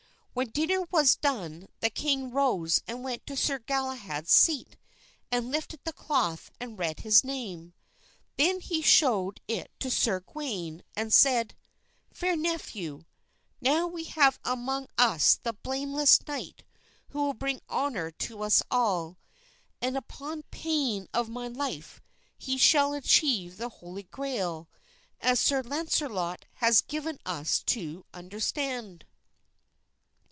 When dinner was done the king rose and went to Sir Galahad's seat and lifted the cloth and read his name. Then he showed it to Sir Gawain and said, "Fair nephew, now we have among us the blameless knight who will bring honor to us all; and, upon pain of my life, he shall achieve the Holy Grail, as Sir Launcelot has given us to understand."